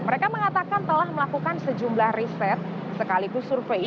mereka mengatakan telah melakukan sejumlah riset sekaligus survei